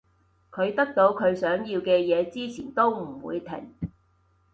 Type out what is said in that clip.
佢得到佢想要嘅嘢之前都唔會停